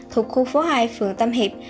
thuộc khu phố hai phường tâm hiệp